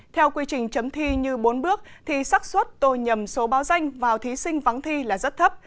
theo quy trình chấm thi như bốn bước thì sắc xuất tôi nhầm số báo danh vào thí sinh vắng thi là rất thấp